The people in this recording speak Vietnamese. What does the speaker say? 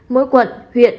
mỗi quận huyện